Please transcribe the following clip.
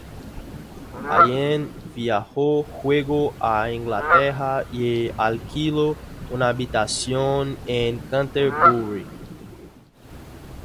Allen viajó luego a Inglaterra y alquiló una habitación en Canterbury.